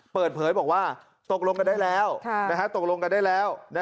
เปิดเผยบอกว่าตกลงกันได้แล้วตกลงกันได้แล้ว